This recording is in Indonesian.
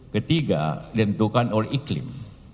ketiga tentukan oleh iklim